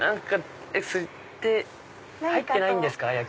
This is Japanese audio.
それって入ってないんですか？